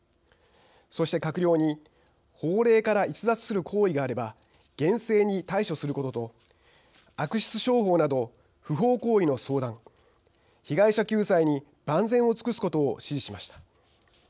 そして、閣僚に法令から逸脱する行為があれば厳正に対処することと悪質商法など不法行為の相談被害者救済に万全を尽くすことを指示しました。